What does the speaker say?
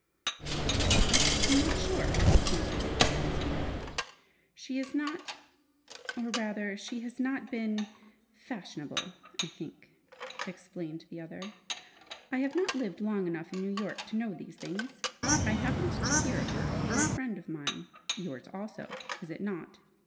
"Possibly. I'm not sure," answered Juliet, surprised. "She is not or rather she has not been fashionable, I think," explained the other. "I have not lived long enough in New York to know these things. I happened to hear of her through a friend of mine (yours also, is it not?)